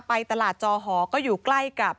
ไปตลาดจอหอก็อยู่ใกล้กับ